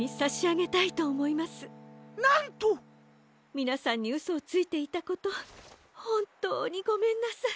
みなさんにうそをついていたことほんとうにごめんなさい。